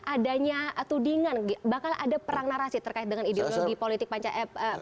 adanya tudingan bahkan ada perang narasi terkait dengan ideologi politik pancasila